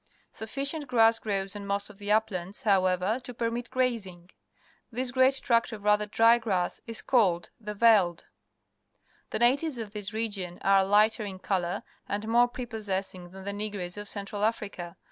Sufficient grass grows on most of the uplands, however, to permit grazing. This great tract of rather dry grass is called the rcl(L_ The natives of this region are lighter in colour and more prepossessing than the Negroes of Central Africa.